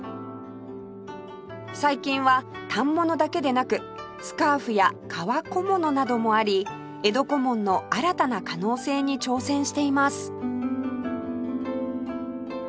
最近は反物だけでなくスカーフや革小物などもあり江戸小紋の新たな可能性に挑戦しています